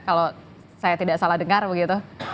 kalau saya tidak salah dengar begitu